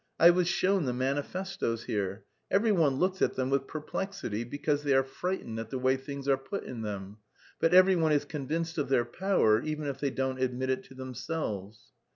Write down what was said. I was shown the manifestoes here. Every one looks at them with perplexity because they are frightened at the way things are put in them, but every one is convinced of their power even if they don't admit it to themselves.